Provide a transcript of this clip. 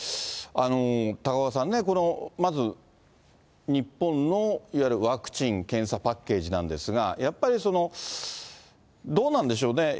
高岡さん、まず日本のいわゆるワクチン・検査パッケージなんですが、やっぱりどうなんでしょうね。